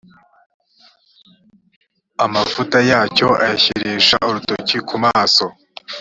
amavuta yacyo ayashyirisha urutoki ku maso